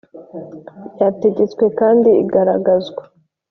Ryategetswe kandi igaragazwa